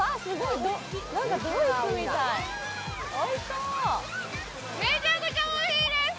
うん、めちゃくちゃおいしいです